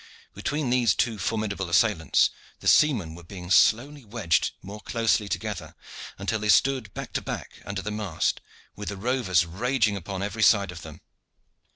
Between these two formidable assailants the seamen were being slowly wedged more closely together, until they stood back to back under the mast with the rovers raging upon every side of them.